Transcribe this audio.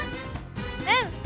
うん！